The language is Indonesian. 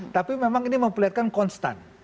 tapi memang ini memperlihatkan konstan